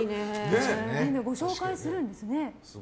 ご紹介するんですね。